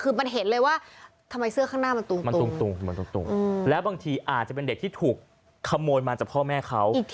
คือมันเห็นเลยว่าทำไมเสื้อข้างหน้ามันตรงมันตุงแล้วบางทีอาจจะเป็นเด็กที่ถูกขโมยมาจากพ่อแม่เขา